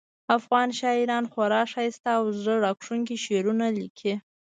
افغان شاعران خورا ښایسته او زړه راښکونکي شعرونه لیکي